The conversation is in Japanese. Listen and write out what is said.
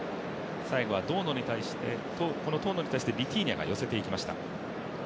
最後は遠野に対してヴィティーニャが寄せていきました。